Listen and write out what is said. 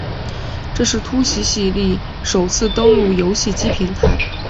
这是突袭系列首次登陆游戏机平台。